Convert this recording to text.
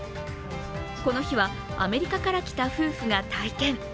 この日はアメリカから来た夫婦が体験。